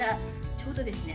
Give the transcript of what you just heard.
ちょうどですね